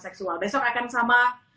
seksual besok akan sama